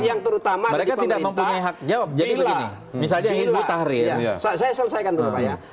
yang terutama di pemerintah